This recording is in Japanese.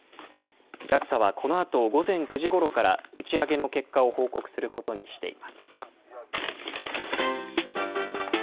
ＪＡＸＡはこのあと午前９時ごろから、打ち上げの結果を報告することにしています。